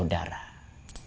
ngerasa ada yang kecil